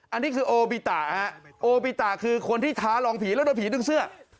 อันนี้คือโอบิตะฮะโอบิตะคือคนที่ท้าลองผีแล้วโดนผีดึงเสื้อ